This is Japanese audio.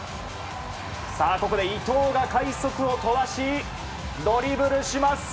ここで伊東が快足を飛ばしドリブルします。